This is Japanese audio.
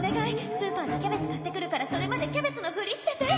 スーパーでキャベツ買ってくるからそれまでキャベツのフリしてて。